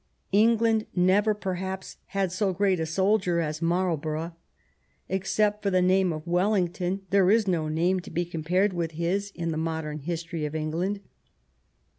England never, perhaps, had so great a soldier as Marlborough. Ex cept for the name of Wellington, there is no name to be compared with his in the modem history of England.